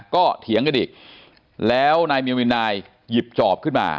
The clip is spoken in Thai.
ก็เถียงกันอีกแล้วนายเมียวินนายหยิบจอบขึ้นมา